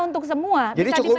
untuk semua jadi cukup